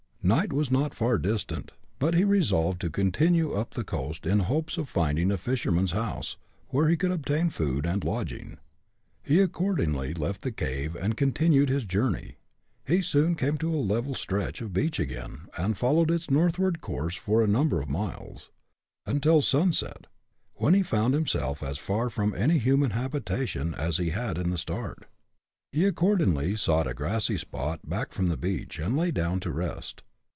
Night was not far distant, but he resolved to continue on up the coast in hopes of finding a fisherman's house, where he could obtain food and lodging. He accordingly left the cave and continued his journey. He soon came to a level stretch of beach again, and followed its northward course for a number of miles until sunset, when he found himself as far from any human habitation as he had in the start. He accordingly sought a grassy spot, back from the beach, and lay down to rest.